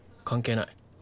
関係ない。